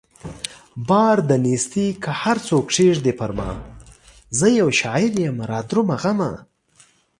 بار د نيستۍ که هر څو کښېږدې پرما زه يو شاعر يمه رادرومه غمه